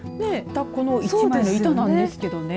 この１枚の板なんですけどね。